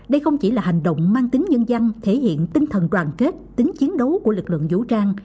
đây không chỉ là hành động mang tính nhân dân thể hiện tinh thần đoàn kết tính chiến đấu của lực lượng vũ trang